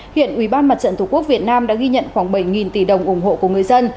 hiện ủy ban mặt trận tổ quốc việt nam đã ghi nhận khoảng bảy tỷ đồng ủng hộ của người dân